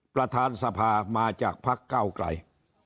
ประธานสภามาจากพักเก้าไกล